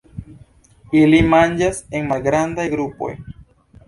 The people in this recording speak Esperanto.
Ili manĝas en malgrandaj grupoj.